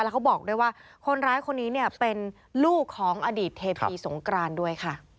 เขาบอกด้วยว่าคนร้ายคนนี้เป็นลูกของอดีตเทพีสงกรานด้วย